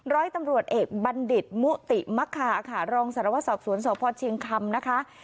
ร้อยตำรวจเอกบัณฑิตมุติมะคาค่ะรองสารวสอบสวนสพเชียงคำนะคะ